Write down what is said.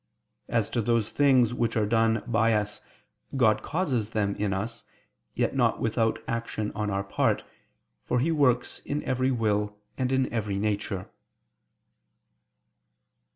As to those things which are done by us, God causes them in us, yet not without action on our part, for He works in every will and in every nature.